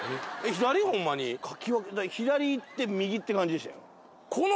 左行って右って感じでしたよ。